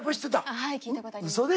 はい聞いたことあります。